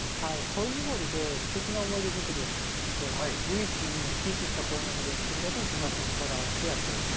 こいのぼりですてきな思い出作りをしてほしくて、唯一無二の生き生きしたこいのぼりを作るために手描きにこだわっ